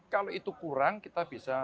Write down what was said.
kalau itu kurang kita bisa